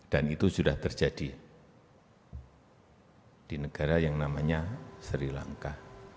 dan itu sudah terjadi di negara yang namanya sri lanka